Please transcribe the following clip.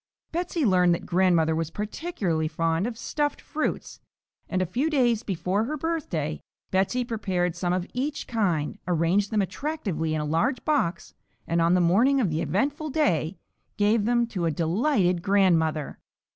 Betsey learned that grandmother was particularly fond of "Stuffed Fruits," and a few days before her birthday Betsey prepared some of each kind, arranged them attractively in a large box, and on the morning of the eventful day gave them to a delighted grandmother.